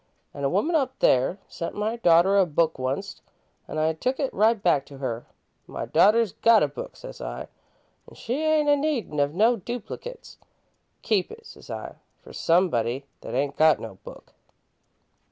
An' a woman up there sent my darter a book wunst, an' I took it right back to her. 'My darter's got a book,' says I, 'an' she ain't a needin' of no duplicates. Keep it,' says I, 'fer somebody that ain't got no book."